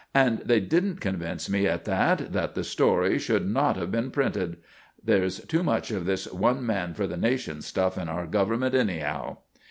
And they didn't convince me at that, that the story should not have been printed! There's too much of this one man for the nation stuff in our government, anyhow."